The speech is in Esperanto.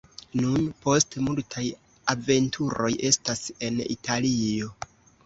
Nun post multaj aventuroj estas en Italio.